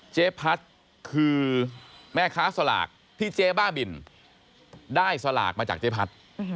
เจ๊พัดคือแม่ค้าสลากที่เจ๊บ้าบินได้สลากมาจากเจ๊พัด